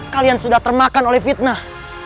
kalian sudah termakan oleh fitnah